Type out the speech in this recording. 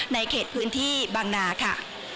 ในเขตพื้นที่บางนาค่ะ